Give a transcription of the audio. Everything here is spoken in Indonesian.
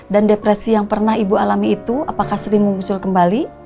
dan depresi yang pernah ibu alami itu apakah sering memusul kembali